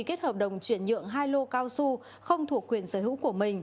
kết hợp đồng chuyển nhượng hai lô cao su không thuộc quyền sở hữu của mình